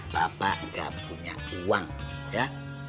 bapak nggak punya uang ya